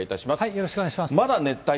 よろしくお願いします。